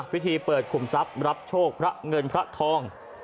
พิธีเปิดขุมทรัพย์รับโชคพระเงินพระทอง